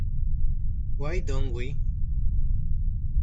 Why Don't We?".